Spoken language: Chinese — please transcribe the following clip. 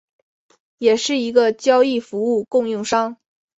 也是一个交易服务供应商。